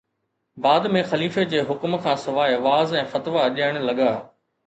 بعد ۾ خليفي جي حڪم کان سواءِ وعظ ۽ فتوا ڏيڻ لڳا